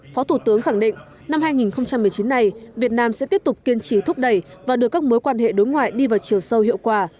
phó thủ tướng khẳng định năm hai nghìn một mươi chín này việt nam sẽ tiếp tục kiên trì thúc đẩy và đưa các mối quan hệ đối ngoại đi vào chiều sâu hiệu quả